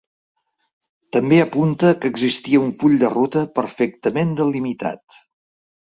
També apunta que existia un full de ruta perfectament delimitat.